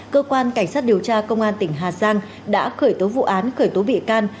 cơ quan cảnh sát điều tra công an tỉnh hà giang đã khởi tố vụ án khởi tố bị can